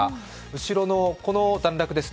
後ろの段落です。